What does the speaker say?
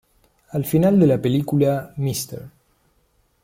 Al final de la película "Mr.